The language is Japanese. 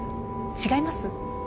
違います？